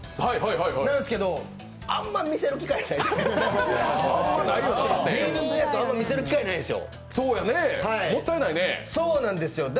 なんですけど、芸人やとあんまり見せる機会ないんですよ。